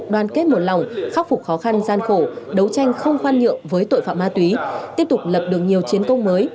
đoàn kết một lòng khắc phục khó khăn gian khổ đấu tranh không khoan nhượng với tội phạm ma túy tiếp tục lập đường nhiều chiến công mới